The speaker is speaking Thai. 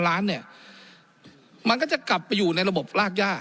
ล้านเนี่ยมันก็จะกลับไปอยู่ในระบบรากย่า